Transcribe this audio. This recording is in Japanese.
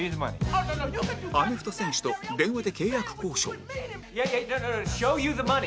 アメフト選手と電話で契約交渉